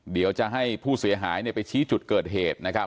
เดี๋ยวจะให้ผู้เสียหายไปชี้จุดเกิดเหตุนะครับ